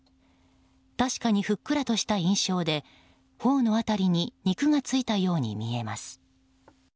確かにふっくらとした印象で頬の辺りに肉がついたように見えます。